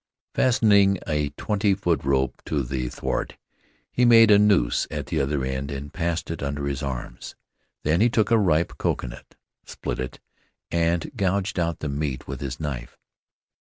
Fastening a twenty foot rope to the thwart, he made a noose at the other end and passed it under his arms. Then he took a ripe coconut, split it, and gouged out the meat with his knife.